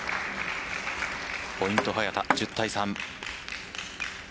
ポイント早田、１０対３。